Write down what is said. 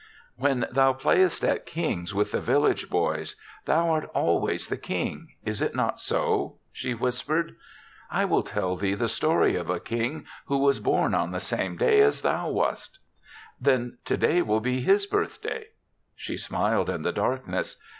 "When thou playest at ^kings' with the village boys, thou art al ways the King — is it not so?" she whispered. " I will tell thee the story of a king who was born on the same day as thou wast." "Then today will be his birth day?" She smiled in the darkness.